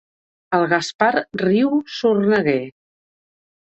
El Gaspar riu, sorneguer.